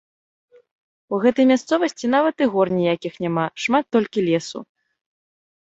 У гэтай мясцовасці нават і гор ніякіх няма, шмат толькі лесу.